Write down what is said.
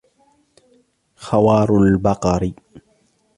خوار البقر